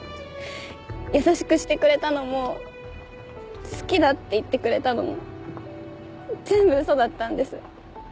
優しくしてくれたのも好きだって言ってくれたのも全部嘘だったんです。